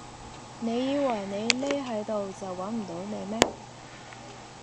你以為你匿喺度就搵唔到你咩